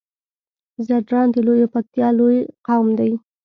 ځدراڼ د لويې پکتيا لوی قوم دی